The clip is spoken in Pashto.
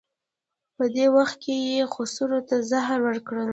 په دې وخت کې یې خسرو ته زهر ورکړل.